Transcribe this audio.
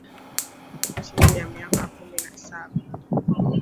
chini ya miaka kumi na saba